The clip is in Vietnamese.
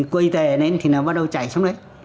quây tè đến thì nó bắt đầu chạy xuống đấy